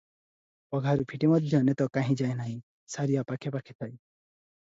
ପଘାରୁ ଫିଟି ମଧ୍ୟ ନେତ କାହିଁ ଯାଏ ନାହିଁ, ସାରିଆ ପାଖେ ପାଖେ ଥାଏ ।